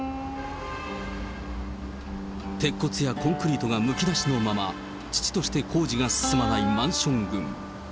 鉄骨やコンクリートがむき出しのまま、遅々として工事が進まないマンション群。